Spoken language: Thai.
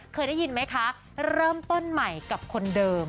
เคยได้ยินไหมคะเริ่มต้นใหม่กับคนเดิม